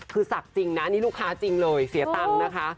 คือศักดิ์จริงนะนี่ลูกค้าจริงเลยเสียตังค์นะคะ